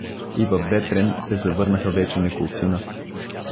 И във Ветрен се завърнаха вече неколцина.